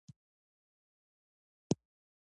ایا زه باید په غور کې اوسم؟